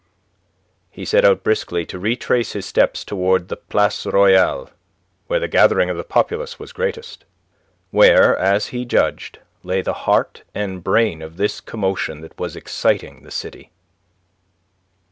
He set out briskly to retrace his steps towards the Place Royale, where the gathering of the populace was greatest, where, as he judged, lay the heart and brain of this commotion that was exciting the city.